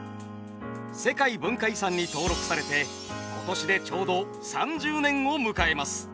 世界文化遺産に登録されて今年でちょうど３０年を迎えます。